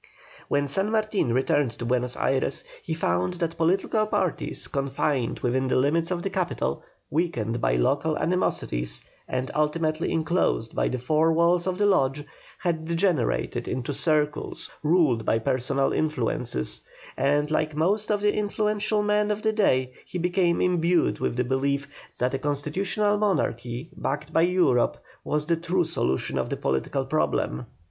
When San Martin returned to Buenos Ayres, he found that political parties, confined within the limits of the capital, weakened by local animosities, and ultimately enclosed by the four walls of the Lodge, had degenerated into circles ruled by personal influences, and like most of the influential men of that day he became imbued with the belief that a constitutional monarchy backed by Europe was the true solution of the political problem.